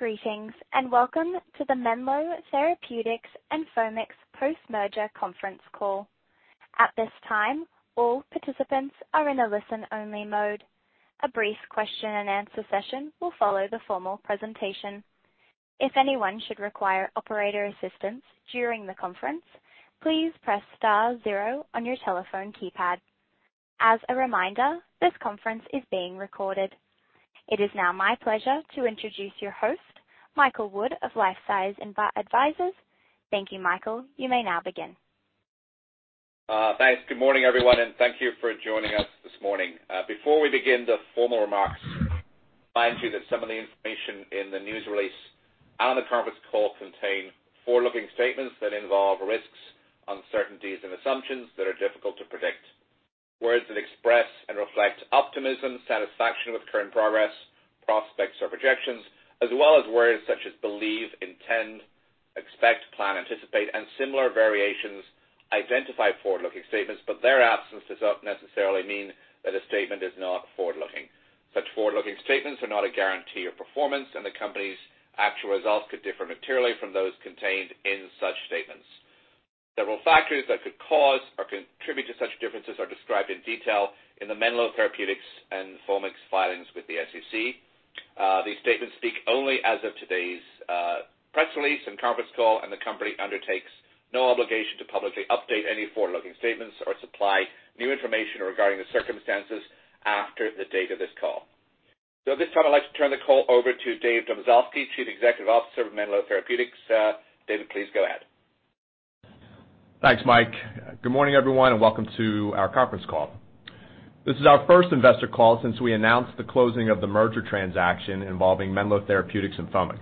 Greetings, welcome to the Menlo Therapeutics and Foamix post-merger conference call. At this time, all participants are in a listen-only mode. A brief question and answer session will follow the formal presentation. If anyone should require operator assistance during the conference, please press star zero on your telephone keypad. As a reminder, this conference is being recorded. It is now my pleasure to introduce your host, Michael Wood, of LifeSci Advisors. Thank you, Michael. You may now begin. Thanks. Good morning, everyone, and thank you for joining us this morning. Before we begin the formal remarks, I remind you that some of the information in the news release and the conference call contain forward-looking statements that involve risks, uncertainties, and assumptions that are difficult to predict. Words that express and reflect optimism, satisfaction with current progress, prospects or projections, as well as words such as believe, intend, expect, plan, anticipate, and similar variations identify forward-looking statements, but their absence does not necessarily mean that a statement is not forward-looking. Such forward-looking statements are not a guarantee of performance, and the company's actual results could differ materially from those contained in such statements. Several factors that could cause or contribute to such differences are described in detail in the Menlo Therapeutics and Foamix filings with the SEC. These statements speak only as of today's press release and conference call, and the company undertakes no obligation to publicly update any forward-looking statements or supply new information regarding the circumstances after the date of this call. At this time, I'd like to turn the call over to David Domzalski, Chief Executive Officer of Menlo Therapeutics. David, please go ahead. Thanks, Mike. Good morning, everyone. Welcome to our conference call. This is our first investor call since we announced the closing of the merger transaction involving Menlo Therapeutics and Foamix.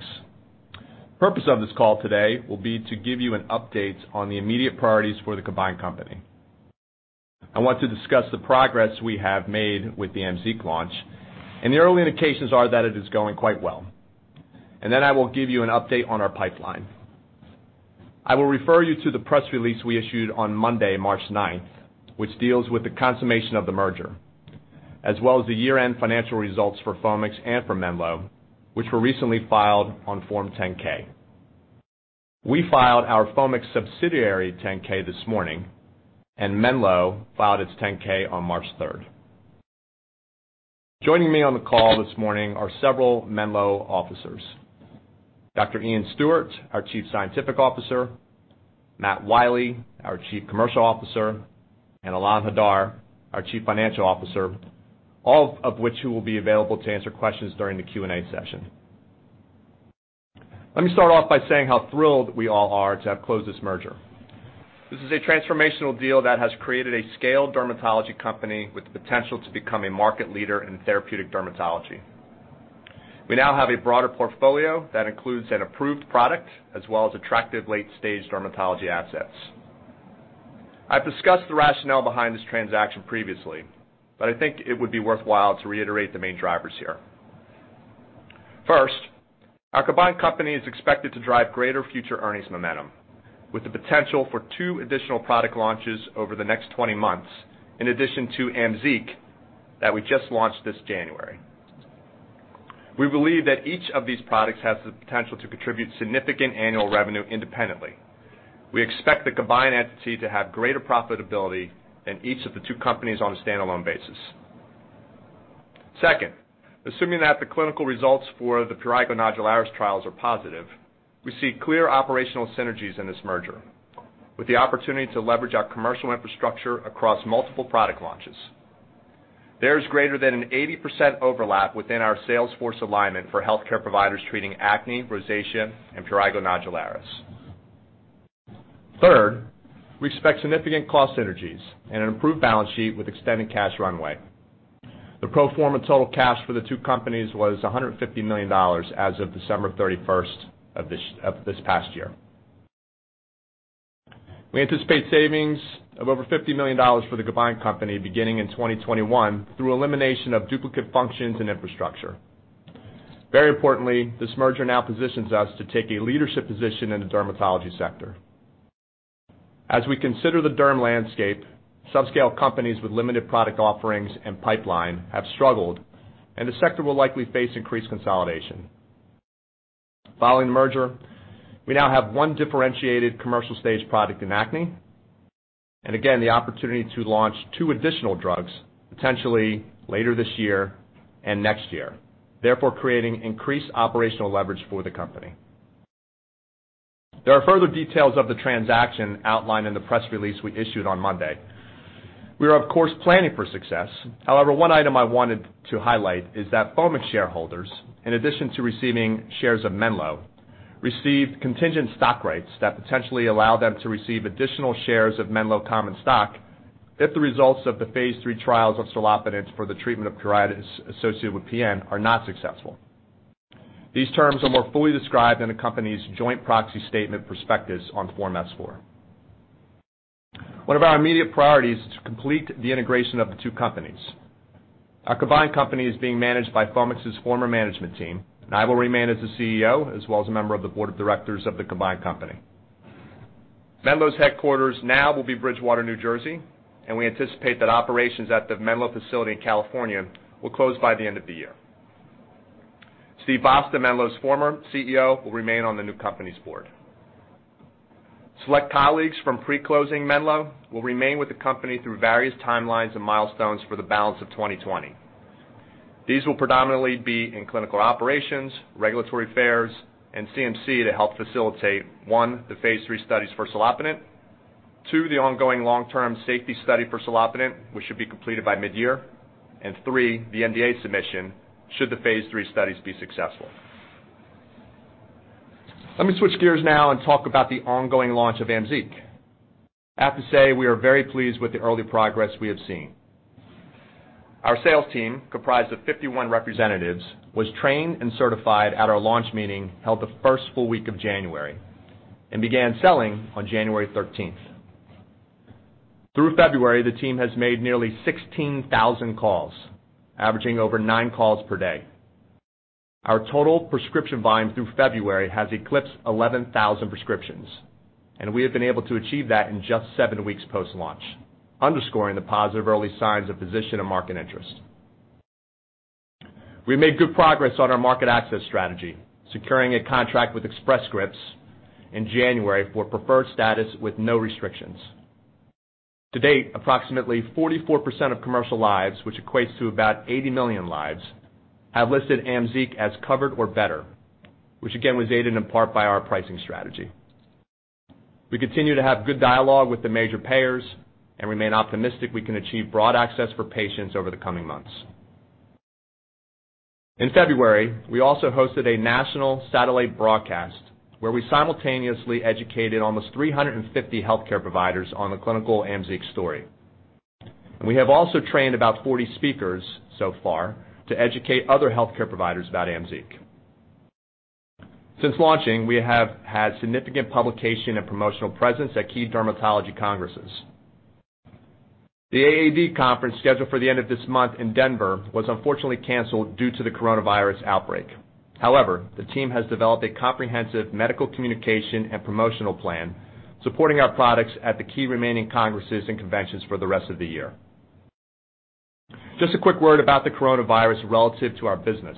Purpose of this call today will be to give you an update on the immediate priorities for the combined company. I want to discuss the progress we have made with the AMZEEQ launch. The early indications are that it is going quite well. I will give you an update on our pipeline. I will refer you to the press release we issued on Monday, March ninth, which deals with the consummation of the merger, as well as the year-end financial results for Foamix and for Menlo, which were recently filed on Form 10-K. We filed our Foamix subsidiary 10-K this morning. Menlo filed its 10-K on March 3rd. Joining me on the call this morning are several Menlo officers. Dr. Iain Stuart, our Chief Scientific Officer, Matt Wiley, our Chief Commercial Officer, and Alon Hadar, our Chief Financial Officer, all of which who will be available to answer questions during the Q&A session. Let me start off by saying how thrilled we all are to have closed this merger. This is a transformational deal that has created a scaled dermatology company with the potential to become a market leader in therapeutic dermatology. We now have a broader portfolio that includes an approved product as well as attractive late-stage dermatology assets. I've discussed the rationale behind this transaction previously, but I think it would be worthwhile to reiterate the main drivers here. First, our combined company is expected to drive greater future earnings momentum with the potential for two additional product launches over the next 20 months, in addition to AMZEEQ that we just launched this January. We believe that each of these products has the potential to contribute significant annual revenue independently. Second, assuming that the clinical results for the prurigo nodularis trials are positive, we see clear operational synergies in this merger with the opportunity to leverage our commercial infrastructure across multiple product launches. There is greater than an 80% overlap within our sales force alignment for healthcare providers treating acne, rosacea, and prurigo nodularis. Third, we expect significant cost synergies and an improved balance sheet with extended cash runway. The pro forma total cash for the two companies was $150 million as of December 31st of this past year. We anticipate savings of over $50 million for the combined company beginning in 2021 through elimination of duplicate functions and infrastructure. Very importantly, this merger now positions us to take a leadership position in the dermatology sector. As we consider the derm landscape, subscale companies with limited product offerings and pipeline have struggled, the sector will likely face increased consolidation. Following the merger, we now have one differentiated commercial stage product in acne, again, the opportunity to launch two additional drugs potentially later this year and next year, therefore creating increased operational leverage for the company. There are further details of the transaction outlined in the press release we issued on Monday. We are, of course, planning for success. However, one item I wanted to highlight is that Foamix shareholders, in addition to receiving shares of Menlo, received contingent stock rights that potentially allow them to receive additional shares of Menlo common stock if the results of the phase III trials of serlopitant for the treatment of pruritus associated with PN are not successful. These terms are more fully described in the company's joint proxy statement perspectives on Form S-4. One of our immediate priorities is to complete the integration of the two companies. Our combined company is being managed by Foamix's former management team, and I will remain as the CEO as well as a member of the board of directors of the combined company. Menlo's headquarters now will be Bridgewater, New Jersey, and we anticipate that operations at the Menlo facility in California will close by the end of the year. Steve Basta, Menlo's former CEO, will remain on the new company's board. Select colleagues from pre-closing Menlo will remain with the company through various timelines and milestones for the balance of 2020. These will predominantly be in clinical operations, regulatory affairs, and CMC to help facilitate, one, the phase III studies for serlopitant. Two, the ongoing long-term safety study for serlopitant, which should be completed by mid-year. Three, the NDA submission, should the phase III studies be successful. Let me switch gears now and talk about the ongoing launch of AMZEEQ. I have to say, we are very pleased with the early progress we have seen. Our sales team, comprised of 51 representatives, was trained and certified at our launch meeting held the first full week of January, and began selling on January 13th. Through February, the team has made nearly 16,000 calls, averaging over nine calls per day. Our total prescription volume through February has eclipsed 11,000 prescriptions, and we have been able to achieve that in just seven weeks post-launch, underscoring the positive early signs of physician and market interest. We made good progress on our market access strategy, securing a contract with Express Scripts in January for preferred status with no restrictions. To date, approximately 44% of commercial lives, which equates to about 80 million lives, have listed AMZEEQ as covered or better, which again, was aided in part by our pricing strategy. We continue to have good dialogue with the major payers and remain optimistic we can achieve broad access for patients over the coming months. In February, we also hosted a national satellite broadcast where we simultaneously educated almost 350 healthcare providers on the clinical AMZEEQ story. We have also trained about 40 speakers so far to educate other healthcare providers about AMZEEQ. Since launching, we have had significant publication and promotional presence at key dermatology congresses. The AAD conference scheduled for the end of this month in Denver was unfortunately canceled due to the coronavirus outbreak. The team has developed a comprehensive medical communication and promotional plan supporting our products at the key remaining congresses and conventions for the rest of the year. Just a quick word about the coronavirus relative to our business.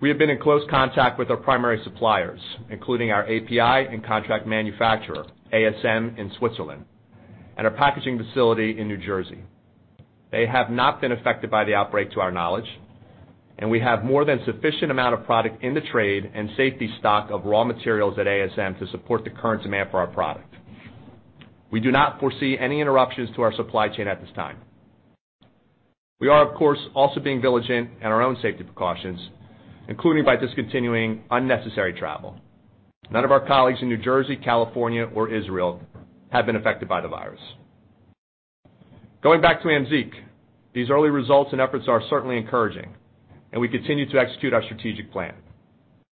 We have been in close contact with our primary suppliers, including our API and contract manufacturer, ASM in Switzerland, and our packaging facility in New Jersey. They have not been affected by the outbreak to our knowledge, and we have more than sufficient amount of product in the trade and safety stock of raw materials at ASM to support the current demand for our product. We do not foresee any interruptions to our supply chain at this time. We are, of course, also being diligent in our own safety precautions, including by discontinuing unnecessary travel. None of our colleagues in New Jersey, California, or Israel have been affected by the virus. Going back to AMZEEQ, these early results and efforts are certainly encouraging. We continue to execute our strategic plan.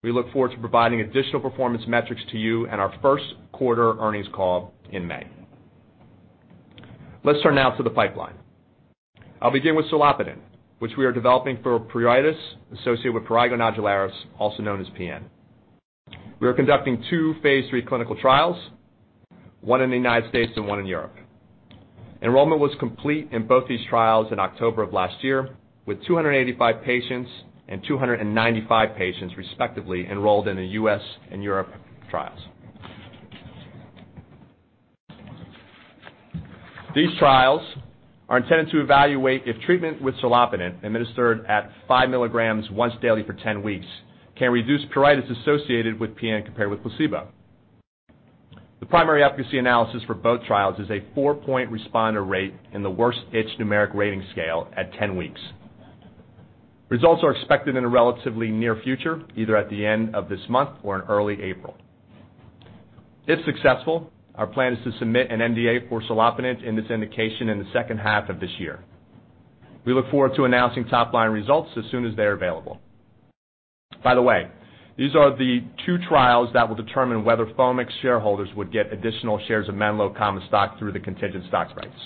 We look forward to providing additional performance metrics to you in our first quarter earnings call in May. Let's turn now to the pipeline. I'll begin with serlopitant, which we are developing for pruritus associated with prurigo nodularis, also known as PN. We are conducting two phase III clinical trials, one in the U.S. and one in Europe. Enrollment was complete in both these trials in October of last year, with 285 patients and 295 patients respectively enrolled in the U.S. and Europe trials. These trials are intended to evaluate if treatment with serlopitant administered at 5 milligrams once daily for 10 weeks can reduce pruritus associated with PN compared with placebo. The primary efficacy analysis for both trials is a four-point responder rate in the Worst Itch Numeric Rating Scale at 10 weeks. Results are expected in the relatively near future, either at the end of this month or in early April. If successful, our plan is to submit an NDA for serlopitant in this indication in the second half of this year. We look forward to announcing top-line results as soon as they're available. By the way, these are the two trials that will determine whether Foamix shareholders would get additional shares of Menlo common stock through the contingent stock rights.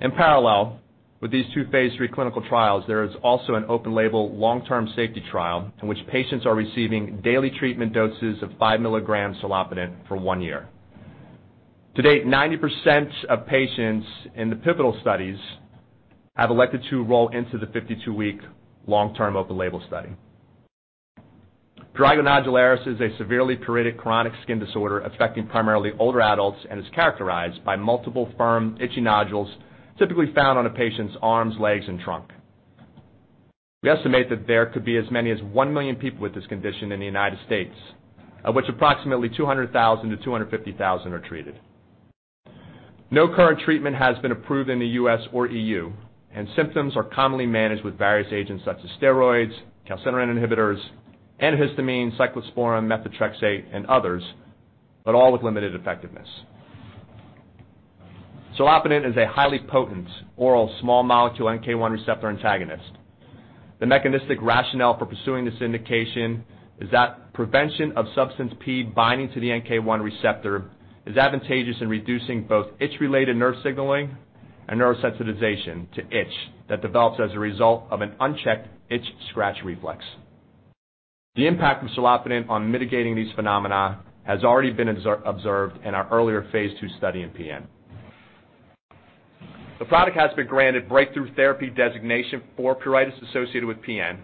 In parallel with these two phase III clinical trials, there is also an open label long-term safety trial in which patients are receiving daily treatment doses of 5 milligrams serlopitant for one year. To date, 90% of patients in the pivotal studies have elected to enroll into the 52-week long-term open label study. Prurigo nodularis is a severely pruritic chronic skin disorder affecting primarily older adults and is characterized by multiple firm itchy nodules typically found on a patient's arms, legs, and trunk. We estimate that there could be as many as 1 million people with this condition in the U.S., of which approximately 200,000-250,000 are treated. No current treatment has been approved in the U.S. or E.U., and symptoms are commonly managed with various agents such as steroids, calcineurin inhibitors, antihistamine, cyclosporine, methotrexate, and others, but all with limited effectiveness. serlopitant is a highly potent oral small molecule NK1 receptor antagonist. The mechanistic rationale for pursuing this indication is that prevention of substance P binding to the NK1 receptor is advantageous in reducing both itch-related nerve signaling Neurosensitization to itch that develops as a result of an unchecked itch scratch reflex. The impact of serlopitant on mitigating these phenomena has already been observed in our earlier phase II study in PN. The product has been granted breakthrough therapy designation for pruritus associated with PN,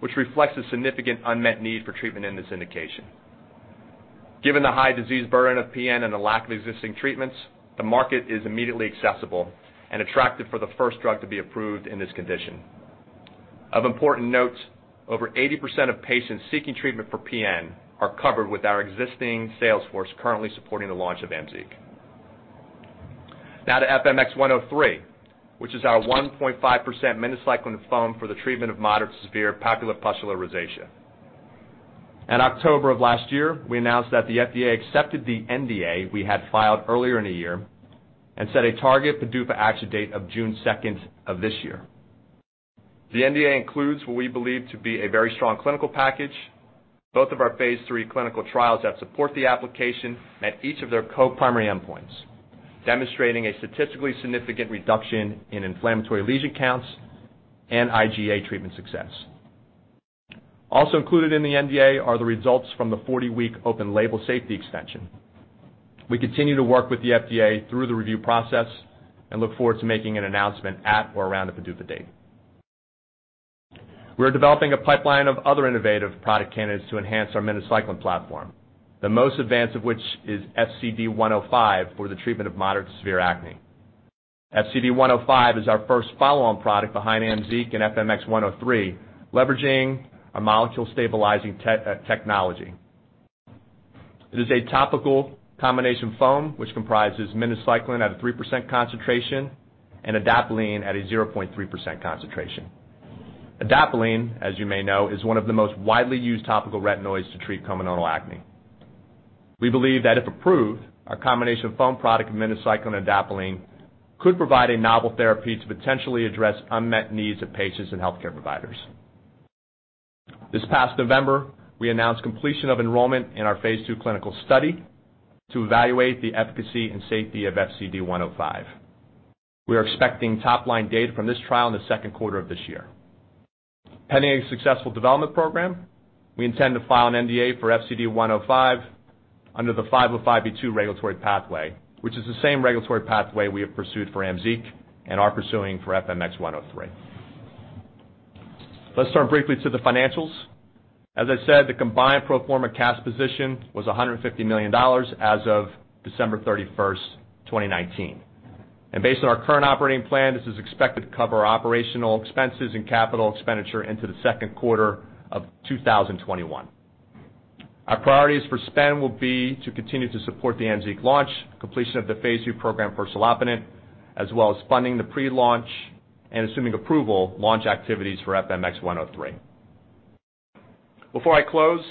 which reflects a significant unmet need for treatment in this indication. Given the high disease burden of PN and the lack of existing treatments, the market is immediately accessible and attractive for the first drug to be approved in this condition. Of important note, over 80% of patients seeking treatment for PN are covered with our existing sales force currently supporting the launch of AMZEEQ. Now to FMX103, which is our 1.5% minocycline foam for the treatment of moderate to severe papulopustular rosacea. In October of last year, we announced that the FDA accepted the NDA we had filed earlier in the year and set a target PDUFA action date of June 2nd of this year. The NDA includes what we believe to be a very strong clinical package, both of our phase III clinical trials that support the application at each of their co-primary endpoints, demonstrating a statistically significant reduction in inflammatory lesion counts and IGA treatment success. Also included in the NDA are the results from the 40-week open label safety extension. We continue to work with the FDA through the review process and look forward to making an announcement at or around the PDUFA date. We're developing a pipeline of other innovative product candidates to enhance our minocycline platform. The most advanced of which is FCD105 for the treatment of moderate to severe acne. FCD105 is our first follow-on product behind AMZEEQ and FMX103, leveraging a molecule-stabilizing technology. It is a topical combination foam which comprises minocycline at a 3% concentration and adapalene at a 0.3% concentration. adapalene, as you may know, is one of the most widely used topical retinoids to treat comedonal acne. We believe that if approved, our combination foam product of minocycline and adapalene could provide a novel therapy to potentially address unmet needs of patients and healthcare providers. This past November, we announced completion of enrollment in our phase II clinical study to evaluate the efficacy and safety of FCD105. We are expecting top-line data from this trial in the second quarter of this year. Pending a successful development program, we intend to file an NDA for FCD105 under the 505(b)(2) regulatory pathway, which is the same regulatory pathway we have pursued for AMZEEQ and are pursuing for FMX103. Let's turn briefly to the financials. As I said, the combined pro forma cash position was $150 million as of December 31st, 2019. Based on our current operating plan, this is expected to cover operational expenses and capital expenditure into the second quarter of 2021. Our priorities for spend will be to continue to support the AMZEEQ launch, completion of the phase II program for serlopitant, as well as funding the pre-launch and, assuming approval, launch activities for FMX103. Before I close,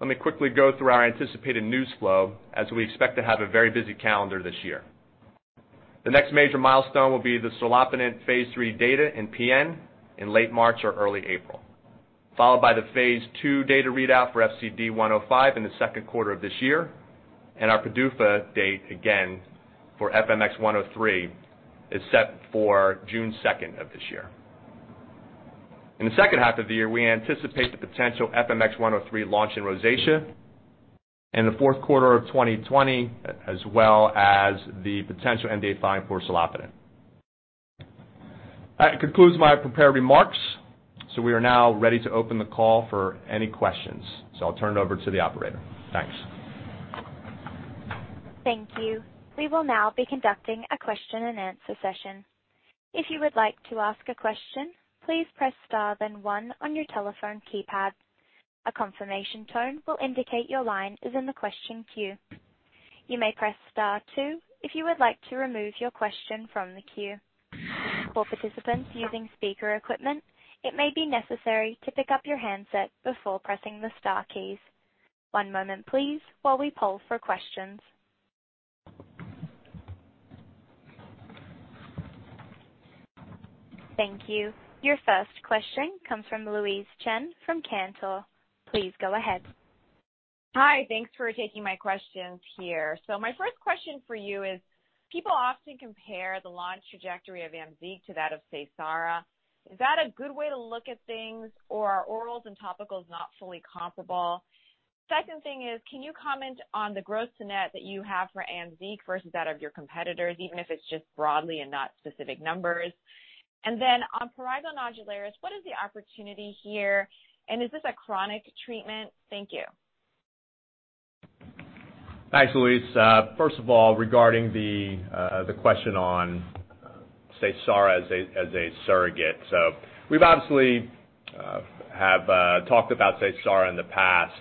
let me quickly go through our anticipated news flow as we expect to have a very busy calendar this year. The next major milestone will be the serlopitant phase III data in PN in late March or early April, followed by the phase II data readout for FCD-105 in the second quarter of this year, and our PDUFA date, again, for FMX103 is set for June 2nd of this year. In the second half of the year, we anticipate the potential FMX103 launch in rosacea in the fourth quarter of 2020, as well as the potential NDA filing for serlopitant. That concludes my prepared remarks. We are now ready to open the call for any questions. I'll turn it over to the operator. Thanks. Thank you. We will now be conducting a question-and-answer session. If you would like to ask a question, please press star then one on your telephone keypad. A confirmation tone will indicate your line is in the question queue. You may press star two if you would like to remove your question from the queue. For participants using speaker equipment, it may be necessary to pick up your handset before pressing the star keys. One moment please while we poll for questions. Thank you. Your first question comes from Louise Chen from Cantor. Please go ahead. Hi. Thanks for taking my questions here. My first question for you is, people often compare the launch trajectory of AMZEEQ to that of Seysara. Is that a good way to look at things, or are orals and topicals not fully comparable? Second thing is, can you comment on the gross to net that you have for AMZEEQ versus that of your competitors, even if it's just broadly and not specific numbers? On prurigo nodularis, what is the opportunity here, and is this a chronic treatment? Thank you. Thanks, Louise. First of all, regarding the question on Seysara as a surrogate. We've obviously have talked about Seysara in the past.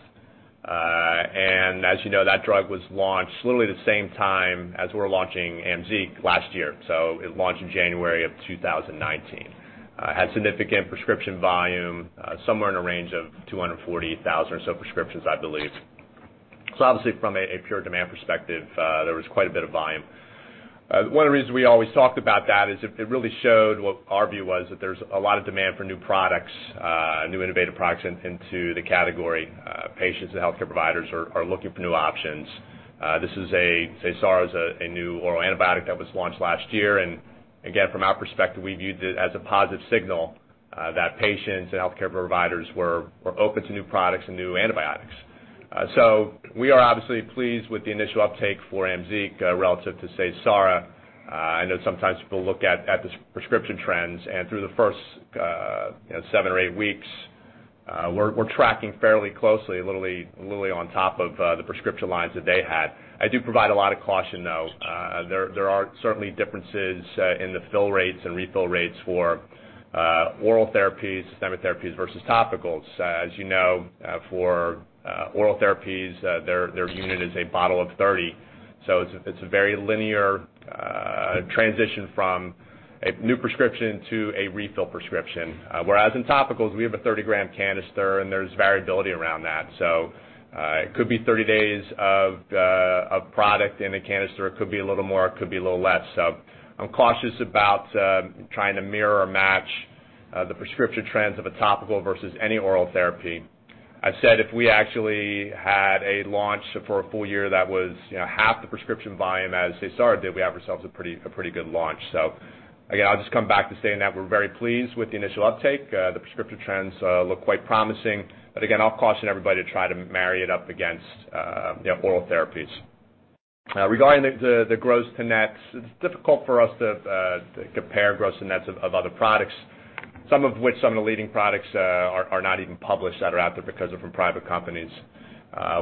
As you know, that drug was launched literally the same time as we're launching AMZEEQ last year, it launched in January of 2019. Had significant prescription volume, somewhere in the range of 240,000 or so prescriptions, I believe. Obviously from a pure demand perspective, there was quite a bit of volume. One of the reasons we always talked about that is it really showed what our view was that there's a lot of demand for new products, new innovative products into the category. Patients and healthcare providers are looking for new options. This is a, say, Seysara is a new oral antibiotic that was launched last year. Again, from our perspective, we viewed it as a positive signal that patients and healthcare providers were open to new products and new antibiotics. We are obviously pleased with the initial uptake for AMZEEQ relative to, say, Seysara. I know sometimes people look at the prescription trends, and through the first seven or eight weeks, we're tracking fairly closely, literally on top of the prescription lines that they had. I do provide a lot of caution, though. There are certainly differences in the fill rates and refill rates for oral therapies, systemic therapies versus topicals. As you know, for oral therapies, their unit is a bottle of 30. It's a very linear transition from a new prescription to a refill prescription. In topicals, we have a 30-gram canister, and there's variability around that. It could be 30 days of product in a canister, it could be a little more, it could be a little less. I'm cautious about trying to mirror or match the prescription trends of a topical versus any oral therapy. I've said if we actually had a launch for a full year that was half the prescription volume as say, Seysara did, we have ourselves a pretty good launch. Again, I'll just come back to saying that we're very pleased with the initial uptake. The prescription trends look quite promising. Again, I'll caution everybody to try to marry it up against oral therapies. Regarding the gross to nets, it's difficult for us to compare gross to nets of other products. Some of which, some of the leading products are not even published that are out there because they're from private companies.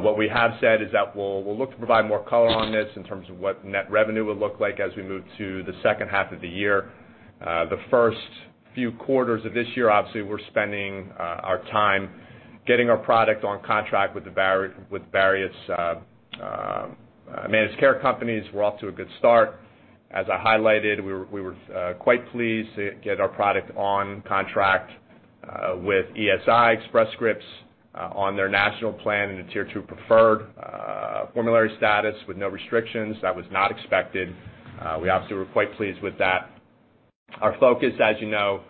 What we have said is that we'll look to provide more color on this in terms of what net revenue will look like as we move to the second half of the year. The first few quarters of this year, obviously, we're spending our time getting our product on contract with various managed care companies. We're off to a good start. As I highlighted, we were quite pleased to get our product on contract with ESI, Express Scripts on their national plan in a Tier 2 preferred formulary status with no restrictions. That was not expected. We obviously were quite pleased with that. Our focus, as you know,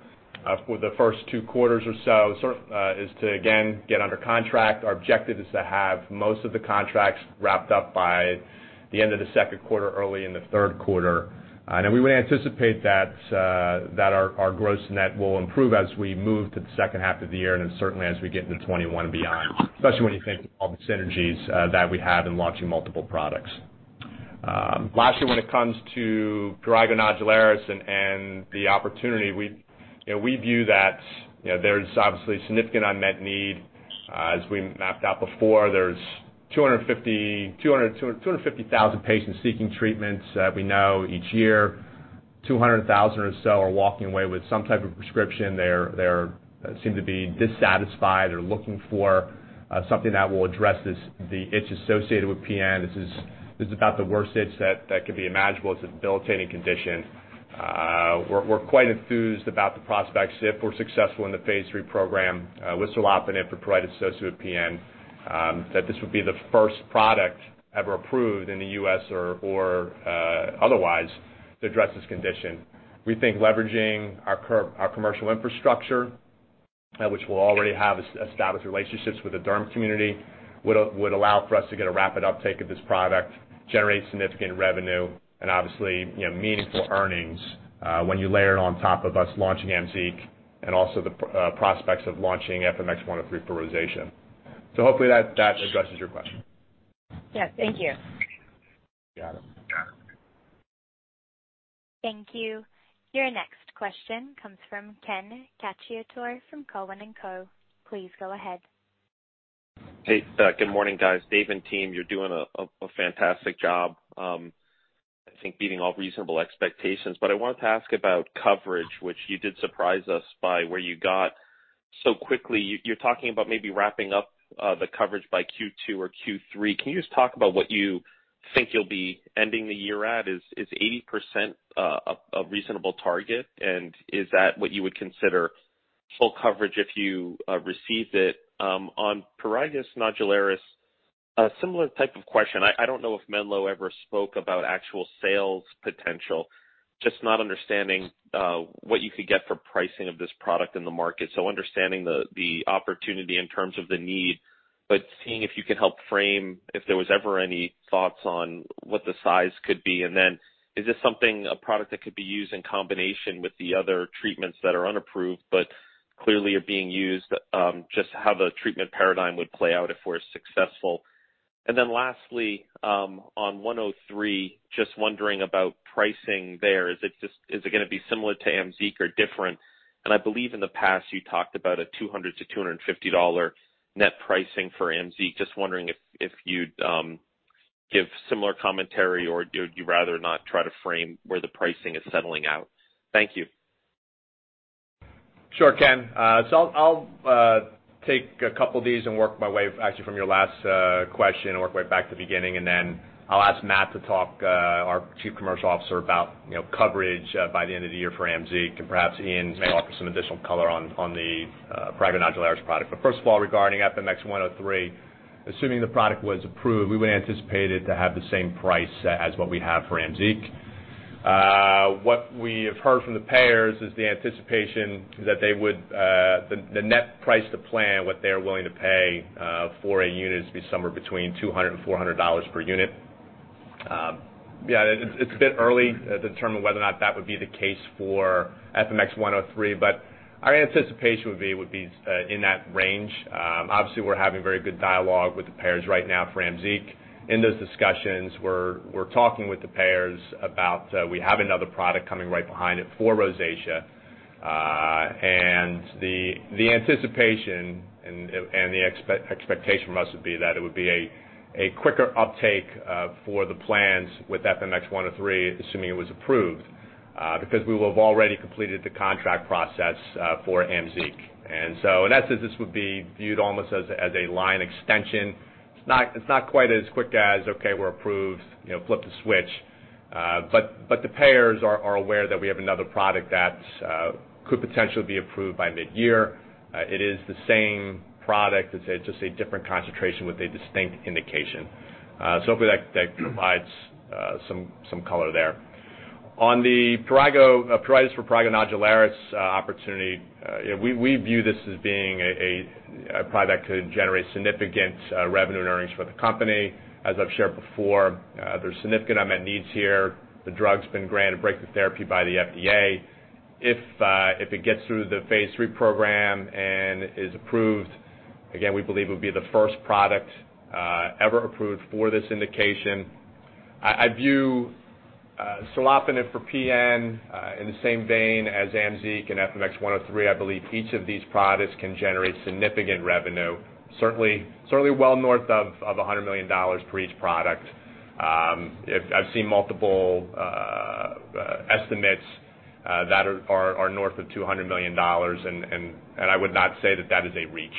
for the first two quarters or so, is to again, get under contract. Our objective is to have most of the contracts wrapped up by the end of the second quarter, early in the third quarter. We would anticipate that our gross net will improve as we move to the second half of the year, certainly as we get into 2021 and beyond, especially when you think of all the synergies that we have in launching multiple products. Lastly, when it comes to prurigo nodularis and the opportunity, we view that there's obviously significant unmet need. As we mapped out before, there's 250,000 patients seeking treatments. We know each year, 200,000 or so are walking away with some type of prescription. They seem to be dissatisfied. They're looking for something that will address the itch associated with PN. This is about the worst itch that could be imaginable. It's a debilitating condition. We're quite enthused about the prospects, if we're successful in the phase III program with serlopitant for pruritus associated with prurigo nodularis, that this would be the first product ever approved in the U.S. or otherwise to address this condition. We think leveraging our commercial infrastructure, which we'll already have established relationships with the derm community, would allow for us to get a rapid uptake of this product, generate significant revenue, and obviously meaningful earnings when you layer it on top of us launching AMZEEQ and also the prospects of launching FMX103 for rosacea. Hopefully that addresses your question. Yes. Thank you. You got it. Thank you. Your next question comes from Ken Cacciatore from Cowen and Co. Please go ahead. Hey, good morning, guys. Dave and team, you're doing a fantastic job, I think beating all reasonable expectations. I wanted to ask about coverage, which you did surprise us by where you got so quickly. You're talking about maybe wrapping up the coverage by Q2 or Q3. Can you just talk about what you think you'll be ending the year at? Is 80% a reasonable target, and is that what you would consider full coverage if you received it? On prurigo nodularis, a similar type of question. I don't know if Menlo ever spoke about actual sales potential, just not understanding what you could get for pricing of this product in the market. Understanding the opportunity in terms of the need, but seeing if you could help frame if there was ever any thoughts on what the size could be. Is this something, a product that could be used in combination with the other treatments that are unapproved but clearly are being used? Just how the treatment paradigm would play out if we're successful. Lastly, on 103, just wondering about pricing there. Is it going to be similar to AMZEEQ or different? I believe in the past you talked about a $200-$250 net pricing for AMZEEQ. Just wondering if you'd give similar commentary, or do you rather not try to frame where the pricing is settling out? Thank you. Sure, Ken. I'll take a couple of these and work my way, actually from your last question, and work my way back to the beginning, and then I'll ask Matt to talk, our Chief Commercial Officer, about coverage by the end of the year for AMZEEQ, and perhaps Iain may offer some additional color on the prurigo nodularis product. First of all, regarding FMX103, assuming the product was approved, we would anticipate it to have the same price as what we have for AMZEEQ. What we have heard from the payers is the anticipation that the net price to plan, what they're willing to pay for a unit, is going to be somewhere between $200 and $400 per unit. It's a bit early to determine whether or not that would be the case for FMX103, but our anticipation would be it would be in that range. We're having very good dialogue with the payers right now for AMZEEQ. In those discussions, we're talking with the payers about how we have another product coming right behind it for rosacea. The anticipation and the expectation from us would be that it would be a quicker uptake for the plans with FMX103, assuming it was approved, because we will have already completed the contract process for AMZEEQ. In that sense, this would be viewed almost as a line extension. It's not quite as quick as, okay, we're approved, flip the switch. The payers are aware that we have another product that could potentially be approved by mid-year. It is the same product, it's just a different concentration with a distinct indication. Hopefully that provides some color there. On the pruritus for prurigo nodularis opportunity, we view this as being a product that could generate significant revenue and earnings for the company. As I've shared before, there's significant unmet needs here. The drug's been granted breakthrough therapy by the FDA. If it gets through the phase III program and is approved, again, we believe it would be the first product ever approved for this indication. I view serlopitant for PN in the same vein as AMZEEQ and FMX103. I believe each of these products can generate significant revenue, certainly well north of $100 million for each product. I've seen multiple estimates that are north of $200 million, and I would not say that that is a reach.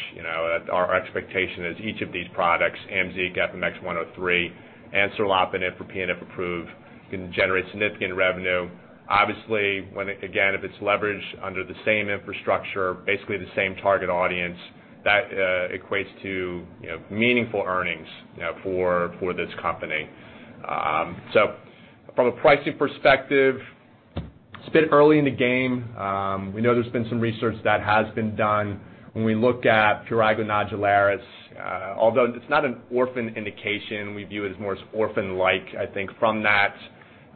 Our expectation is each of these products, AMZEEQ, FMX103, and serlopitant for PN, if approved, can generate significant revenue. Obviously, again, if it's leveraged under the same infrastructure, basically the same target audience, that equates to meaningful earnings for this company. From a pricing perspective, it's a bit early in the game. We know there's been some research that has been done. When we look at prurigo nodularis, although it's not an orphan indication, we view it as more orphan-like. I think from that,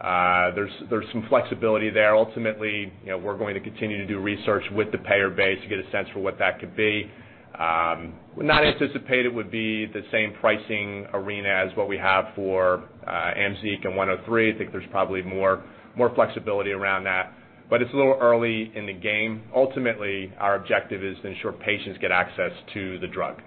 there's some flexibility there. Ultimately, we're going to continue to do research with the payer base to get a sense for what that could be. Would not anticipate it would be the same pricing arena as what we have for AMZEEQ and 103. I think there's probably more flexibility around that, but it's a little early in the game. Ultimately, our objective is to ensure patients get access to the drug.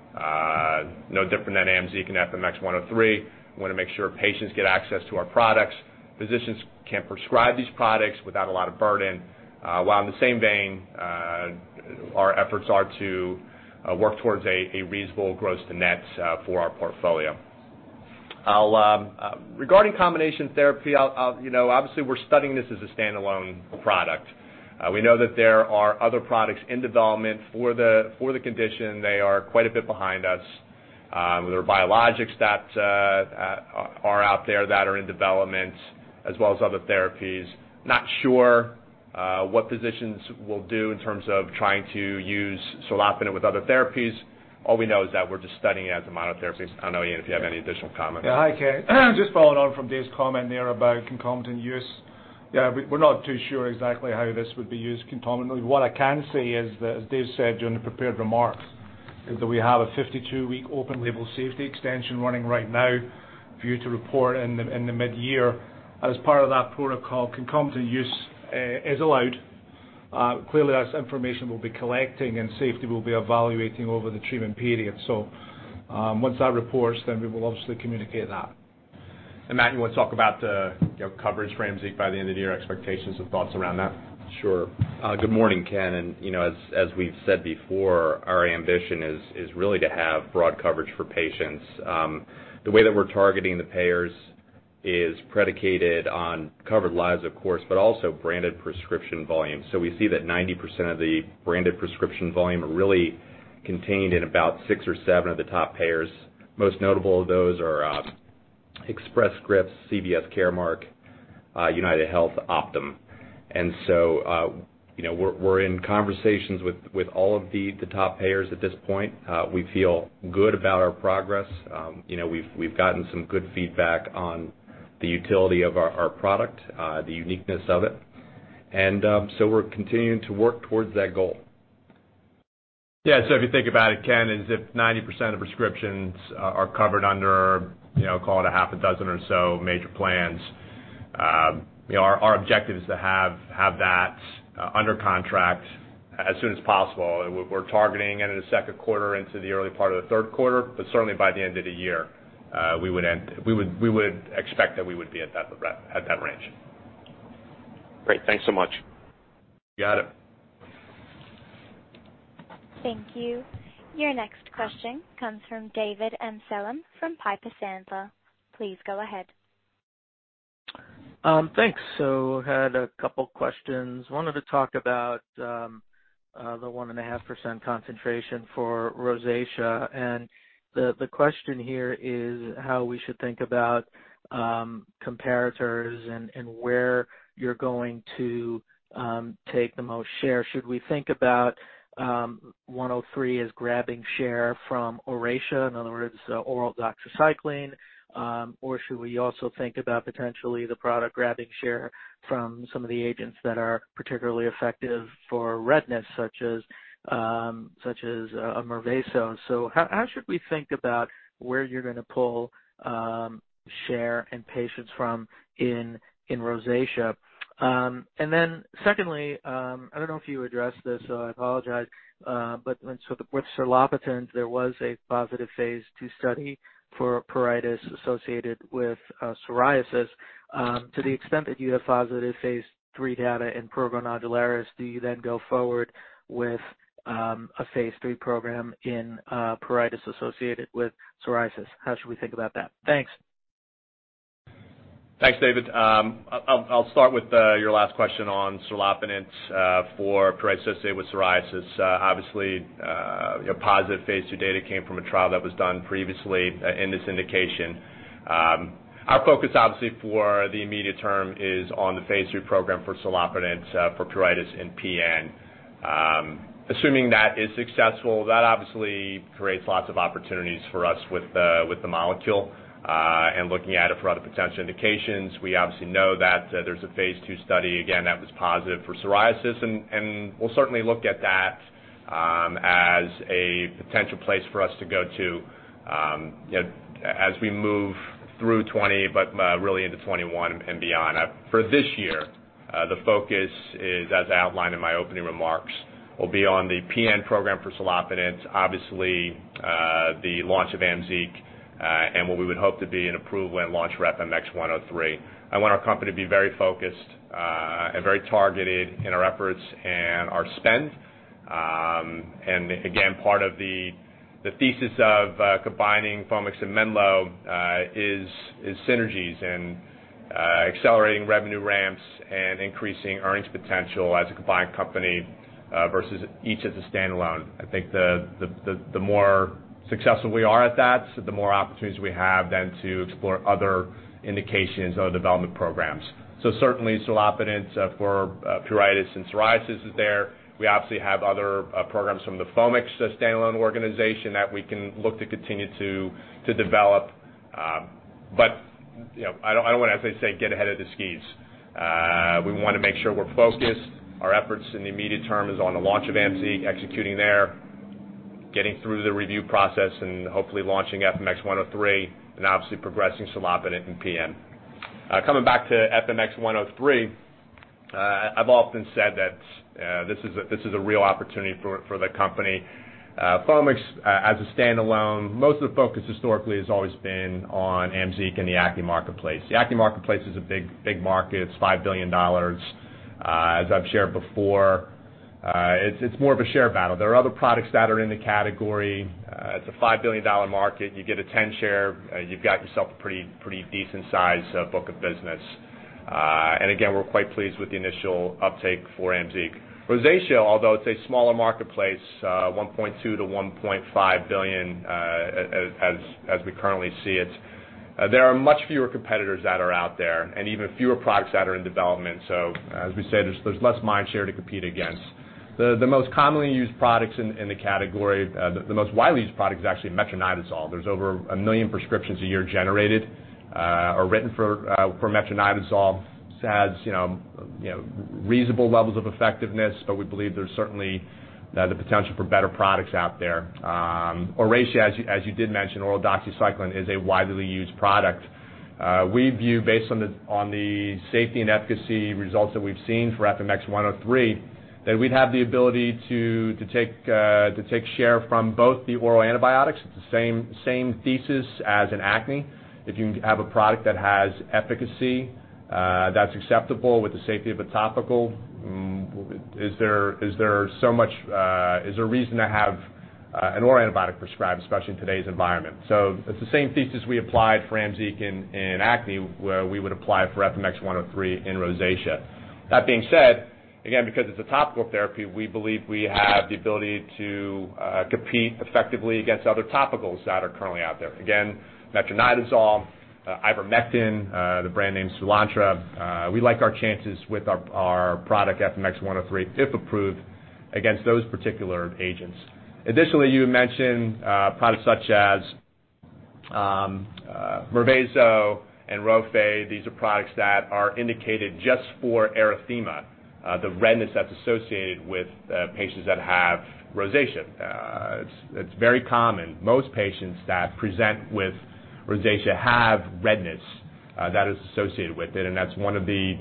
No different than AMZEEQ and FMX103. We want to make sure patients get access to our products. Physicians can prescribe these products without a lot of burden, while in the same vein, our efforts are to work towards a reasonable gross to net for our portfolio. Regarding combination therapy, obviously we're studying this as a standalone product. We know that there are other products in development for the condition. They are quite a bit behind us. There are biologics that are out there that are in development, as well as other therapies. Not sure what physicians will do in terms of trying to use serlopitant with other therapies. All we know is that we're just studying it as a monotherapy. I don't know, Iain, if you have any additional comment. Yeah. Hi, Ken. Just following on from Dave's comment there about concomitant use. Yeah, we're not too sure exactly how this would be used concomitantly. What I can say is that, as Dave said during the prepared remarks, is that we have a 52-week open label safety extension running right now for you to report in the mid-year. As part of that protocol, concomitant use is allowed. Clearly, that's information we'll be collecting and safety we'll be evaluating over the treatment period. Once that reports, then we will obviously communicate that. Matt, you want to talk about the coverage for AMZEEQ by the end of the year, expectations and thoughts around that? Sure. Good morning, Ken. As we've said before, our ambition is really to have broad coverage for patients. The way that we're targeting the payers is predicated on covered lives, of course, but also branded prescription volume. We see that 90% of the branded prescription volume are really contained in about six or seven of the top payers. Most notable of those are Express Scripts, CVS Caremark, UnitedHealth, Optum. We're in conversations with all of the top payers at this point. We feel good about our progress. We've gotten some good feedback on the utility of our product, the uniqueness of it, we're continuing to work towards that goal. Yeah, if you think about it, Ken, if 90% of prescriptions are covered under, call it a half a dozen or so major plans, our objective is to have that under contract as soon as possible. We're targeting end of the second quarter into the early part of the third quarter, certainly by the end of the year, we would expect that we would be at that range. Great. Thanks so much. You got it. Thank you. Your next question comes from David Amsellem from Piper Sandler. Please go ahead. Thanks. Had a couple questions. Wanted to talk about the 1.5% concentration for rosacea, and the question here is how we should think about comparators and where you're going to take the most share. Should we think about 103 as grabbing share from ORACEA, in other words, oral doxycycline? Or should we also think about potentially the product grabbing share from some of the agents that are particularly effective for redness, such as Mirvaso? How should we think about where you're going to pull share and patients from in rosacea? Secondly, I don't know if you addressed this, so I apologize. With serlopitant, there was a positive phase II study for pruritus associated with psoriasis. To the extent that you have positive phase III data in prurigo nodularis, do you then go forward with a phase III program in pruritus associated with psoriasis? How should we think about that? Thanks. Thanks, David. I'll start with your last question on serlopitant for pruritus associated with psoriasis. Obviously, positive phase II data came from a trial that was done previously in this indication. Our focus, obviously, for the immediate term is on the phase III program for serlopitant for pruritus and PN. Assuming that is successful, that obviously creates lots of opportunities for us with the molecule. Looking at it for other potential indications, we obviously know that there's a phase II study, again, that was positive for psoriasis, and we'll certainly look at that as a potential place for us to go to as we move through 2020, but really into 2021 and beyond. For this year, the focus is, as outlined in my opening remarks, will be on the PN program for serlopitant, obviously, the launch of AMZEEQ, and what we would hope to be an approval and launch for FMX103. I want our company to be very focused and very targeted in our efforts and our spend. Again, part of the thesis of combining Foamix and Menlo is synergies and accelerating revenue ramps and increasing earnings potential as a combined company versus each as a standalone. I think the more successful we are at that, the more opportunities we have then to explore other indications and other development programs. Certainly, serlopitant for pruritus and psoriasis is there. We obviously have other programs from the Foamix standalone organization that we can look to continue to develop. I don't want to, as they say, get ahead of the skis. We want to make sure we're focused. Our efforts in the immediate term is on the launch of AMZEEQ, executing there, getting through the review process, and hopefully launching FMX103, and obviously progressing serlopitant in PN. Coming back to FMX103, I've often said that this is a real opportunity for the company. Foamix, as a standalone, most of the focus historically has always been on AMZEEQ and the acne marketplace. The acne marketplace is a big market. It's $5 billion. As I've shared before, it's more of a share battle. There are other products that are in the category. It's a $5 billion market. You get a 10 share, you've got yourself a pretty decent size book of business. Again, we're quite pleased with the initial uptake for AMZEEQ. Rosacea, although it's a smaller marketplace, $1.2 billion-$1.5 billion as we currently see it, there are much fewer competitors that are out there and even fewer products that are in development. As we say, there's less mind share to compete against. The most commonly used products in the category, the most widely used product is actually metronidazole. There's over 1 million prescriptions a year generated or written for metronidazole. It has reasonable levels of effectiveness, but we believe there's certainly the potential for better products out there. ORACEA, as you did mention, oral doxycycline, is a widely used product. We view based on the safety and efficacy results that we've seen for FMX103, that we'd have the ability to take share from both the oral antibiotics. It's the same thesis as in acne. If you have a product that has efficacy that's acceptable with the safety of a topical, is there a reason to have an oral antibiotic prescribed, especially in today's environment? It's the same thesis we applied for AMZEEQ in acne, where we would apply for FMX103 in rosacea. That being said, again, because it's a topical therapy, we believe we have the ability to compete effectively against other topicals that are currently out there. Again, metronidazole, ivermectin, the brand name Soolantra. We like our chances with our product FMX103, if approved, against those particular agents. Additionally, you had mentioned products such as Mirvaso and RHOFADE. These are products that are indicated just for erythema, the redness that's associated with patients that have rosacea. It's very common. Most patients that present with rosacea have redness that is associated with it, That's one of the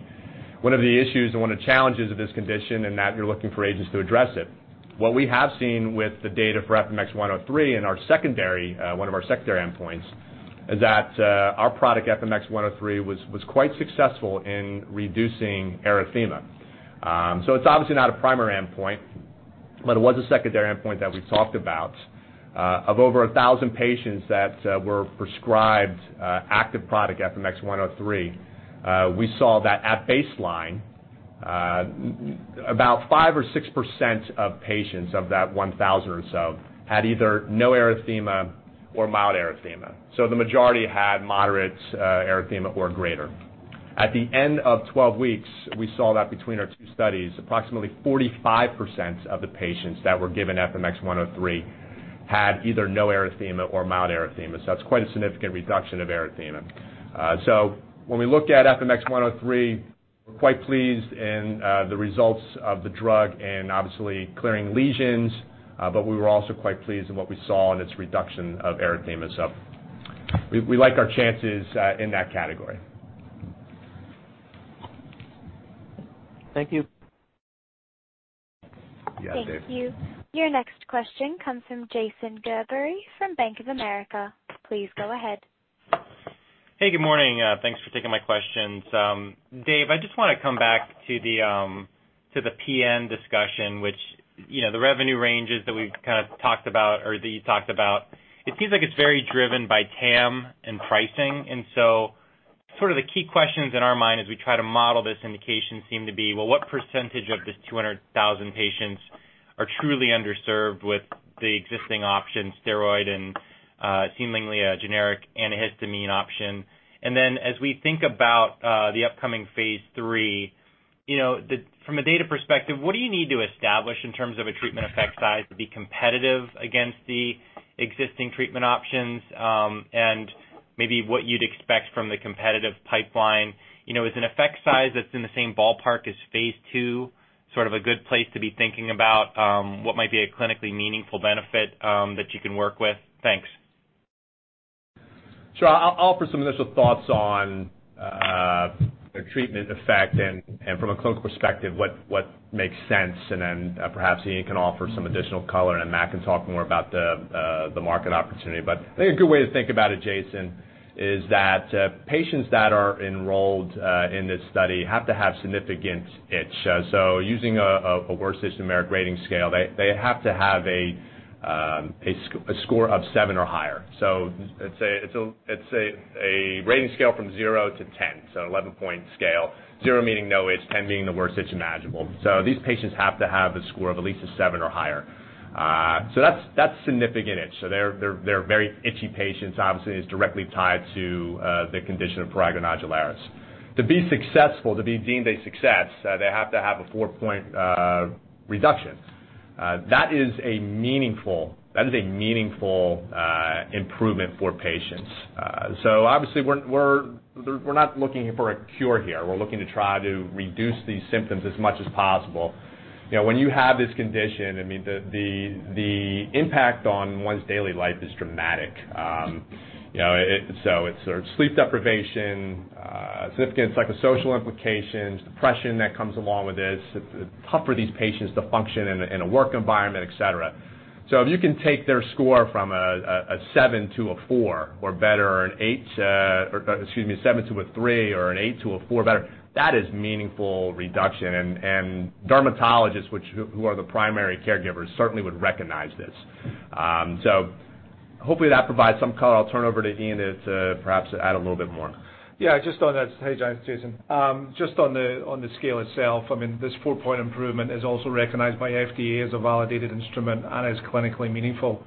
issues and one of the challenges of this condition, That you're looking for agents to address it. What we have seen with the data for FMX103 in one of our secondary endpoints is that our product, FMX103, was quite successful in reducing erythema. It's obviously not a primary endpoint. It was a secondary endpoint that we talked about. Of over 1,000 patients that were prescribed active product FMX103, we saw that at baseline, about 5% or 6% of patients of that 1,000 or so had either no erythema or mild erythema. The majority had moderate erythema or greater. At the end of 12 weeks, we saw that between our two studies, approximately 45% of the patients that were given FMX103 had either no erythema or mild erythema. That's quite a significant reduction of erythema. When we look at FMX103, we're quite pleased in the results of the drug and obviously clearing lesions, but we were also quite pleased in what we saw in its reduction of erythema. We like our chances in that category. Thank you. Yeah. Dave. Thank you. Your next question comes from Jason Gerberry from Bank of America. Please go ahead. Hey, good morning. Thanks for taking my questions. Dave, I just want to come back to the PN discussion, which the revenue ranges that we've kind of talked about or that you talked about. It seems like it's very driven by TAM and pricing. Sort of the key questions in our mind as we try to model this indication seem to be, well, what percentage of this 200,000 patients are truly underserved with the existing option steroid and seemingly a generic antihistamine option? Then as we think about the upcoming phase III, from a data perspective, what do you need to establish in terms of a treatment effect size to be competitive against the existing treatment options? Maybe what you'd expect from the competitive pipeline. Is an effect size that's in the same ballpark as phase II sort of a good place to be thinking about what might be a clinically meaningful benefit that you can work with? Thanks. I'll offer some initial thoughts on the treatment effect and from a clinical perspective, what makes sense, and then perhaps Iain can offer some additional color, and Matt can talk more about the market opportunity. I think a good way to think about it, Jason, is that patients that are enrolled in this study have to have significant itch. Using a worst numeric rating scale, they have to have a score of seven or higher. It's a rating scale from zero to 10, 11-point scale, zero meaning no itch, 10 being the worst itch imaginable. These patients have to have a score of at least a seven or higher. That's significant itch. They're very itchy patients. Obviously, it's directly tied to the condition of prurigo nodularis. To be successful, to be deemed a success, they have to have a four-point reduction. That is a meaningful improvement for patients. Obviously, we're not looking for a cure here. We're looking to try to reduce these symptoms as much as possible. When you have this condition, the impact on one's daily life is dramatic. It's sleep deprivation, significant psychosocial implications, depression that comes along with this. It's tough for these patients to function in a work environment, et cetera. If you can take their score from a seven to a four or better, or an eight to or excuse me, a seven to a three or an eight to a four better, that is meaningful reduction. Dermatologists, who are the primary caregivers, certainly would recognize this. Hopefully that provides some color. I'll turn over to Iain to perhaps add a little bit more. Yeah. Hey, Jason. Just on the scale itself, this four-point improvement is also recognized by FDA as a validated instrument and as clinically meaningful.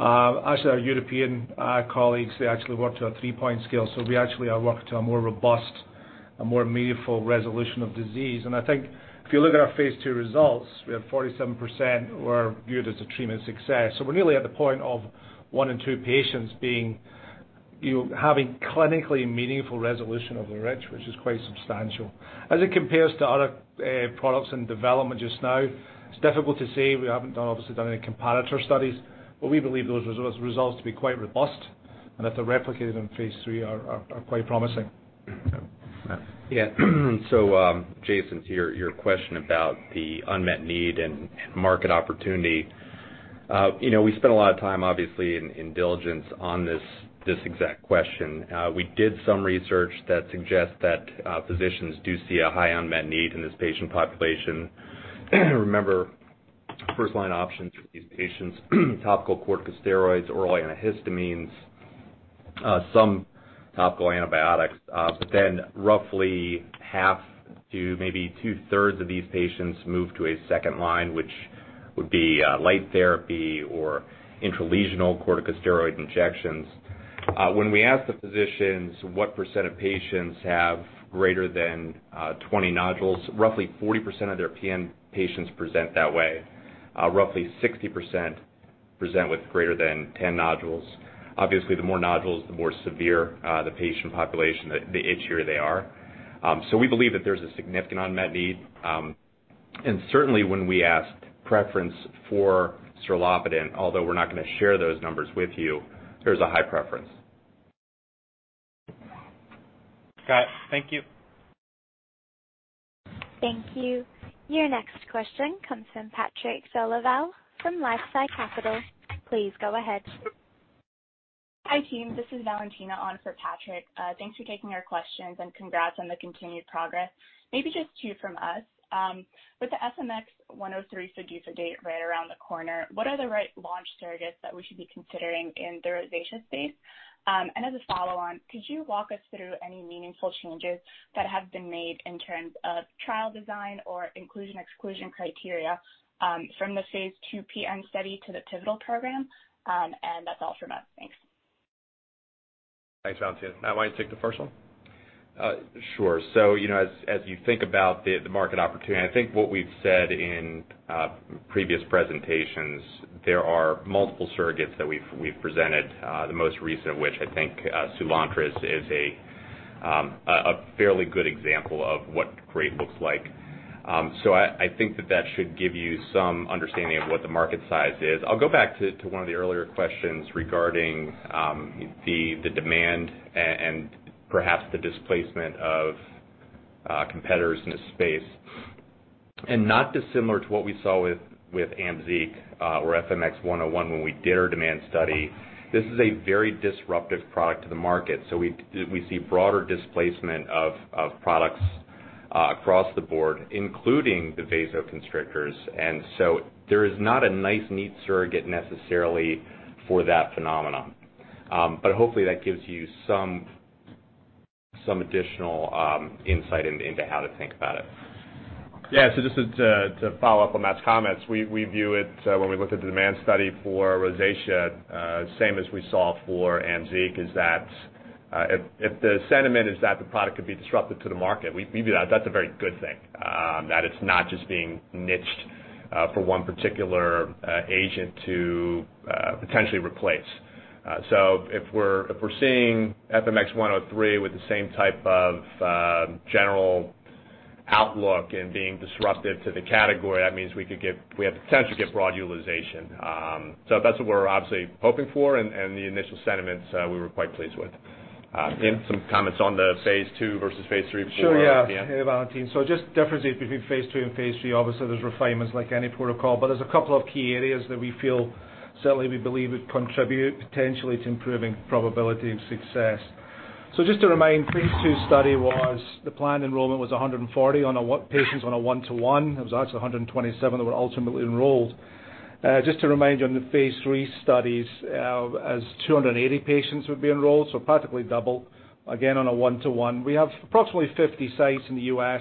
Actually, our European colleagues, they actually work to a three-point scale. We actually work to a more robust, a more meaningful resolution of disease. I think if you look at our phase II results, we have 47% who are viewed as a treatment success. We're nearly at the point of one in two patients having clinically meaningful resolution of their itch, which is quite substantial. As it compares to other products in development just now, it's difficult to say. We haven't obviously done any comparator studies, but we believe those results to be quite robust and that they're replicated in phase III are quite promising. Yeah. Jason, to your question about the unmet need and market opportunity. We spent a lot of time, obviously, in diligence on this exact question. We did some research that suggests that physicians do see a high unmet need in this patient population. Remember, first-line options for these patients, topical corticosteroids, oral antihistamines, some topical antibiotics. Roughly half to maybe two-thirds of these patients move to a second line, which would be light therapy or intralesional corticosteroid injections. When we ask the physicians what percentage of patients have greater than 20 nodules, roughly 40% of their PN patients present that way. Roughly 60% present with greater than 10 nodules. Obviously, the more nodules, the more severe the patient population, the itchier they are. We believe that there's a significant unmet need. Certainly, when we asked preference for serlopitant, although we're not going to share those numbers with you, there's a high preference. Got it. Thank you. Thank you. Your next question comes from Patrick Dolezal from LifeSci Capital. Please go ahead. Hi team, this is Valentina on for Patrick. Thanks for taking our questions and congrats on the continued progress. Maybe just two from us. With the FMX103 PDUFA date right around the corner, what are the right launch surrogates that we should be considering in the rosacea space? As a follow-on, could you walk us through any meaningful changes that have been made in terms of trial design or inclusion/exclusion criteria from the phase II PN study to the pivotal program? That's all from us. Thanks. Thanks, Valentina. Matt, why don't you take the first one? Sure. As you think about the market opportunity, I think what we've said in previous presentations, there are multiple surrogates that we've presented. The most recent of which, I think Soolantra is a fairly good example of what great looks like. I think that that should give you some understanding of what the market size is. I'll go back to one of the earlier questions regarding the demand and perhaps the displacement of competitors in this space. Not dissimilar to what we saw with AMZEEQ or FMX101 when we did our demand study. This is a very disruptive product to the market. We see broader displacement of products across the board, including the vasoconstrictors. There is not a nice neat surrogate necessarily for that phenomenon. Hopefully that gives you some additional insight into how to think about it. Yeah. Just to follow up on Matt's comments. We view it, when we looked at the demand study for rosacea, same as we saw for AMZEEQ, is that, if the sentiment is that the product could be disruptive to the market, we view that that's a very good thing. That it's not just being niched for one particular agent to potentially replace. If we're seeing FMX103 with the same type of general outlook and being disruptive to the category, that means we have the potential to get broad utilization. That's what we're obviously hoping for and the initial sentiments we were quite pleased with. Iain, some comments on the phase II versus phase III for PN. Sure, yeah. Hey, Valentina. Just differences between phase II and phase III. Obviously, there's refinements like any protocol, there's a couple of key areas that we feel, certainly we believe would contribute potentially to improving probability of success. Just to remind, phase II study was the planned enrollment was 140 patients on a one-to-one. It was actually 127 that were ultimately enrolled. Just to remind you on the phase III studies, as 280 patients would be enrolled, practically double, again, on a one-to-one. We have approximately 50 sites in the U.S.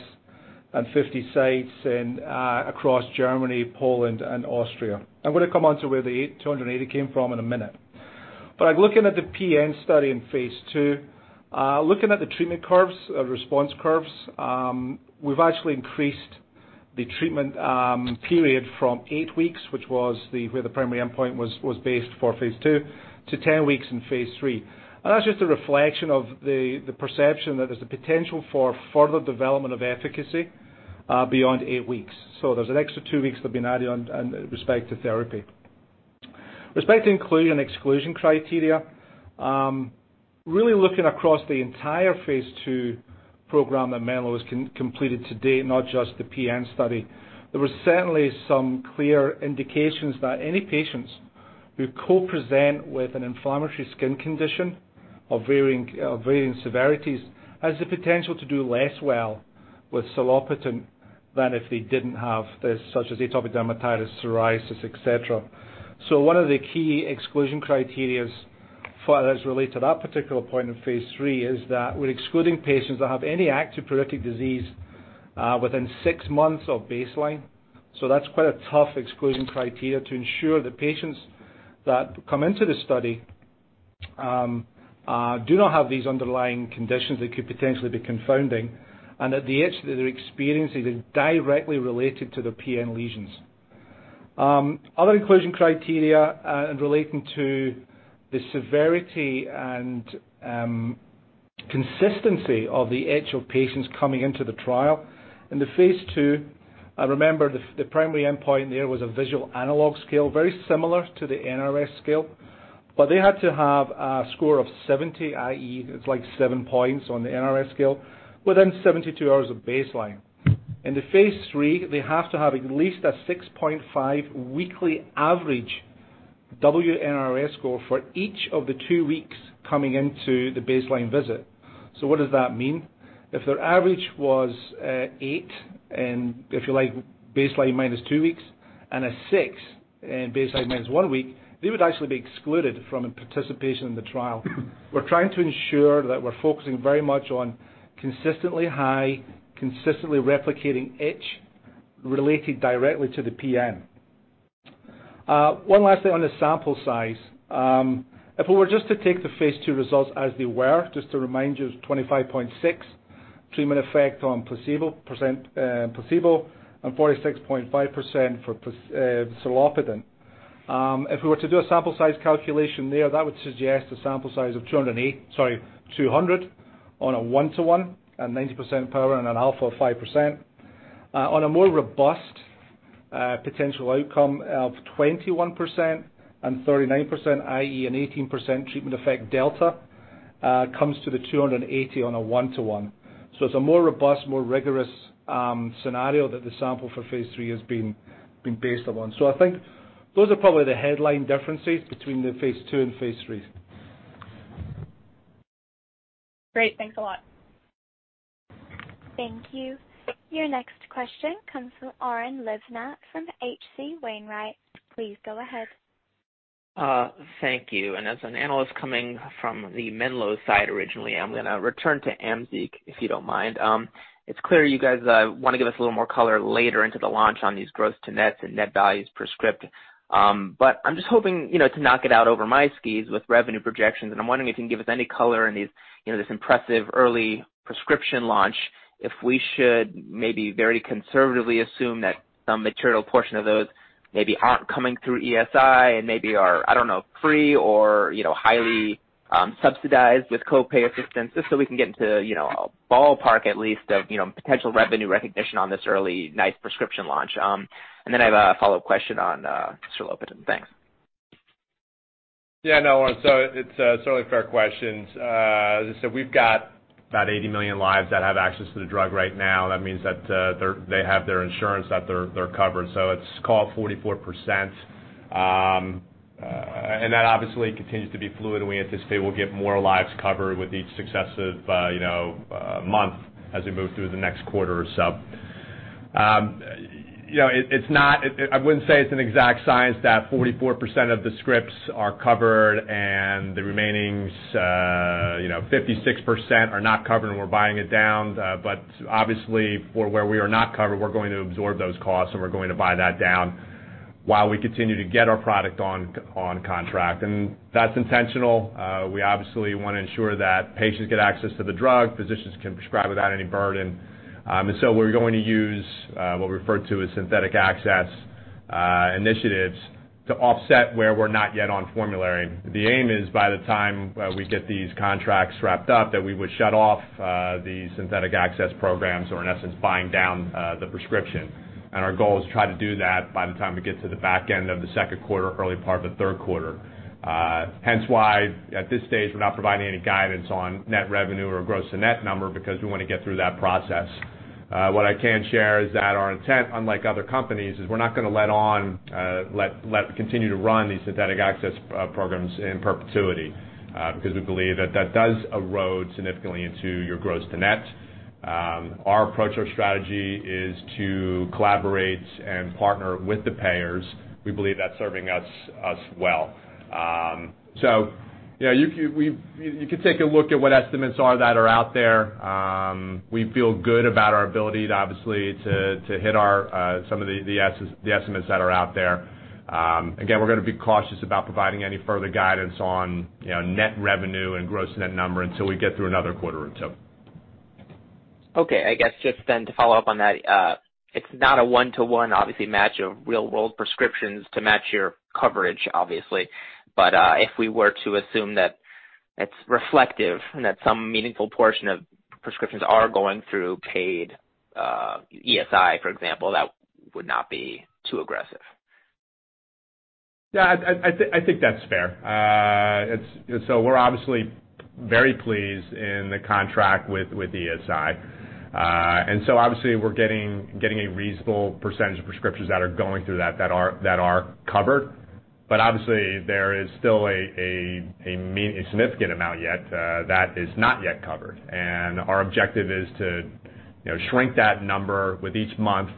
and 50 sites across Germany, Poland and Austria. I'm going to come on to where the 280 came from in a minute. Looking at the PN study in phase II. Looking at the treatment curves or response curves, we've actually increased the treatment period from eight weeks, where the primary endpoint was based for phase II, to 10 weeks in phase III. That's just a reflection of the perception that there's the potential for further development of efficacy beyond eight weeks. There's an extra two weeks that have been added on in respect to therapy. Respect to inclusion/exclusion criteria, really looking across the entire phase II program that Menlo has completed to date, not just the PN study. There was certainly some clear indications that any patients who co-present with an inflammatory skin condition of varying severities, has the potential to do less well with serlopitant than if they didn't have this, such as atopic dermatitis, psoriasis, et cetera. One of the key exclusion criteria as relate to that particular point in phase III is that we're excluding patients that have any active pruritic disease within six months of baseline. That's quite a tough exclusion criteria to ensure that patients that come into the study do not have these underlying conditions that could potentially be confounding. The itch that they're experiencing is directly related to the PN lesions. Other inclusion criteria relating to the severity and consistency of the itch of patients coming into the trial. In the phase II, I remember the primary endpoint there was a visual analog scale, very similar to the NRS scale. They had to have a score of 70, i.e., it's like seven points on the NRS scale, within 72 hours of baseline. In the phase III, they have to have at least a 6.5 weekly average W-NRS score for each of the two weeks coming into the baseline visit. What does that mean? If their average was eight and if you like, baseline minus two weeks and a six baseline minus one week, they would actually be excluded from participation in the trial. We're trying to ensure that we're focusing very much on consistently high, consistently replicating itch related directly to the PN. One last thing on the sample size. If we were just to take the phase II results as they were, just to remind you, it was 25.6 treatment effect on placebo, percent placebo, and 46.5% for serlopitant. If we were to do a sample size calculation there, that would suggest a sample size of 200 on a 1-to-1 at 90% power and an alpha of 5%. On a more robust potential outcome of 21% and 39%, i.e., an 18% treatment effect delta. Comes to the 280 on a one-to-one. It's a more robust, more rigorous scenario that the sample for phase III has been based upon. I think those are probably the headline differences between the phase II and phase III. Great. Thanks a lot. Thank you. Your next question comes from Oren Livnat from H.C. Wainwright. Please go ahead. Thank you. As an analyst coming from the Menlo side originally, I'm going to return to AMZEEQ, if you don't mind. It's clear you guys want to give us a little more color later into the launch on these gross to nets and net values per script. I'm just hoping to not get out over my skis with revenue projections, and I'm wondering if you can give us any color in this impressive early prescription launch, if we should maybe very conservatively assume that some material portion of those maybe aren't coming through ESI and maybe are, I don't know, free or highly subsidized with co-pay assistance, just so we can get into a ballpark at least of potential revenue recognition on this early nice prescription launch. I have a follow-up question on serlopitant. Thanks. Yeah, no, Oren, it's certainly fair questions. As I said, we've got about 80 million lives that have access to the drug right now. That means that they have their insurance, that they're covered. It's call 44%, and that obviously continues to be fluid, and we anticipate we'll get more lives covered with each successive month as we move through the next quarter or so. I wouldn't say it's an exact science that 44% of the scripts are covered and the remaining 56% are not covered and we're buying it down. Obviously for where we are not covered, we're going to absorb those costs and we're going to buy that down while we continue to get our product on contract. That's intentional. We obviously want to ensure that patients get access to the drug, physicians can prescribe without any burden. We're going to use what we refer to as synthetic access initiatives to offset where we're not yet on formulary. The aim is by the time we get these contracts wrapped up, that we would shut off the synthetic access programs or in essence, buying down the prescription. Our goal is to try to do that by the time we get to the back end of the second quarter, early part of the third quarter. Hence why at this stage we're not providing any guidance on net revenue or gross to net number because we want to get through that process. What I can share is that our intent, unlike other companies, is we're not going to let continue to run these synthetic access programs in perpetuity, because we believe that that does erode significantly into your gross to net. Our approach, our strategy, is to collaborate and partner with the payers. We believe that's serving us well. You could take a look at what estimates are that are out there. We feel good about our ability to obviously hit some of the estimates that are out there. Again, we're going to be cautious about providing any further guidance on net revenue and gross net number until we get through another quarter or two. Okay. I guess just then to follow up on that, it's not a one-to-one obviously match of real world prescriptions to match your coverage, obviously. If we were to assume that it's reflective and that some meaningful portion of prescriptions are going through paid ESI, for example, that would not be too aggressive. Yeah, I think that's fair. We're obviously very pleased in the contract with ESI. Obviously we're getting a reasonable percentage of prescriptions that are going through that are covered. Obviously there is still a significant amount yet that is not yet covered. Our objective is to shrink that number with each month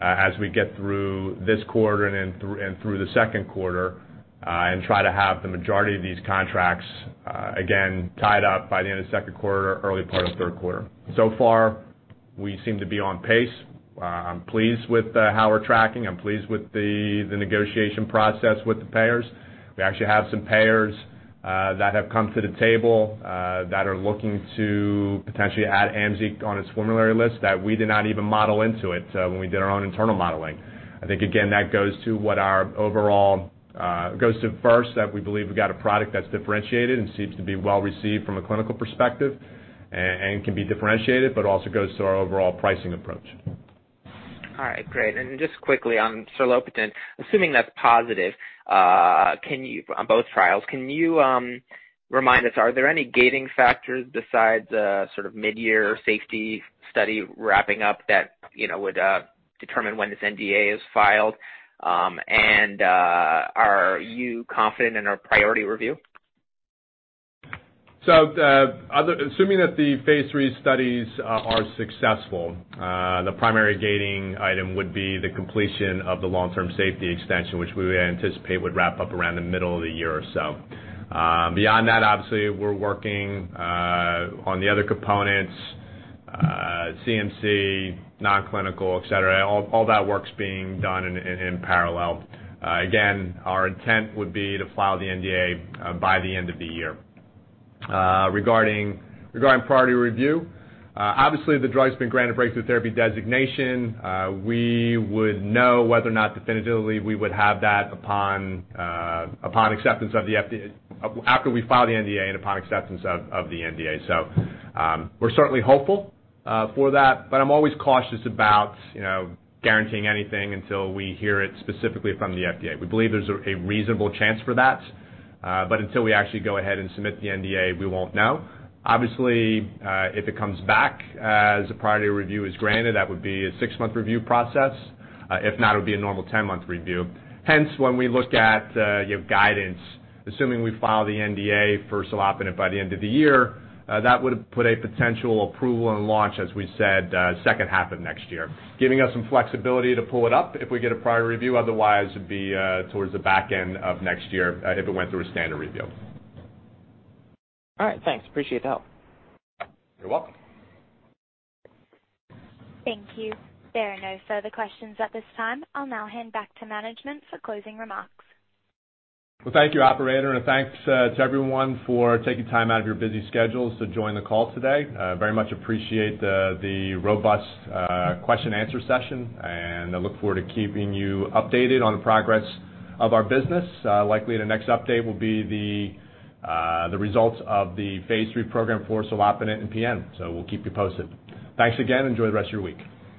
as we get through this quarter and through the second quarter and try to have the majority of these contracts, again, tied up by the end of the second quarter, early part of third quarter. So far we seem to be on pace. I'm pleased with how we're tracking. I'm pleased with the negotiation process with the payers. We actually have some payers that have come to the table that are looking to potentially add AMZEEQ on its formulary list that we did not even model into it when we did our own internal modeling. I think again, that goes to first, that we believe we've got a product that's differentiated and seems to be well received from a clinical perspective and can be differentiated, but also goes to our overall pricing approach. All right, great. Just quickly on serlopitant, assuming that's positive on both trials, can you remind us, are there any gating factors besides sort of mid-year safety study wrapping up that would determine when this NDA is filed? Are you confident in our priority review? Assuming that the phase III studies are successful, the primary gating item would be the completion of the long-term safety extension, which we anticipate would wrap up around the middle of the year or so. Beyond that, obviously we're working on the other components, CMC, non-clinical, et cetera. All that work's being done in parallel. Again, our intent would be to file the NDA by the end of the year. Regarding priority review, obviously the drug's been granted breakthrough therapy designation. We would know whether or not definitively we would have that after we file the NDA and upon acceptance of the NDA. We're certainly hopeful for that, but I'm always cautious about guaranteeing anything until we hear it specifically from the FDA. We believe there's a reasonable chance for that. Until we actually go ahead and submit the NDA, we won't know. Obviously, if it comes back as a priority review is granted, that would be a six-month review process. If not, it would be a normal 10-month review. When we look at your guidance, assuming we file the NDA for serlopitant by the end of the year, that would put a potential approval and launch, as we said, second half of next year. Giving us some flexibility to pull it up if we get a priority review. Otherwise, it'd be towards the back end of next year if it went through a standard review. All right, thanks. Appreciate the help. You're welcome. Thank you. There are no further questions at this time. I'll now hand back to management for closing remarks. Thank you, operator, and thanks to everyone for taking time out of your busy schedules to join the call today. Very much appreciate the robust question answer session, and I look forward to keeping you updated on the progress of our business. Likely the next update will be the results of the phase III program for serlopitant and PN, so we'll keep you posted. Thanks again. Enjoy the rest of your week.